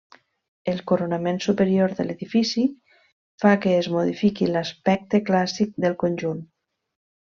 El coronament superior de l'edifici fa que es modifiqui l'aspecte clàssic del conjunt.